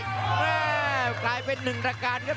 แม่กลายเป็นนึงละการครับ